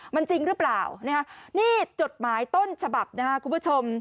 มันจริงหรือเปล่านะฮะนี่จดหมายต้นฉบับนะครับคุณผู้ชม